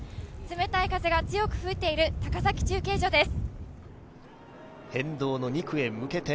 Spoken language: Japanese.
冷たい風が強く吹いている高崎中継所です。